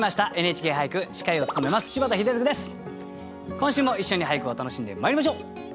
今週も一緒に俳句を楽しんでまいりましょう。